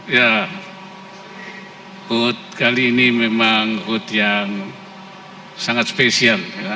ya hut kali ini memang hut yang sangat spesial